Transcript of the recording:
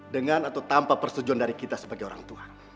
dengan atau tanpa persetujuan dari kita sebagai orang tua